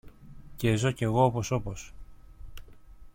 και ζω κι εγώ όπως όπως